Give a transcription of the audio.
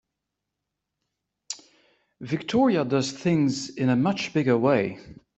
Victoria does things in a much bigger way.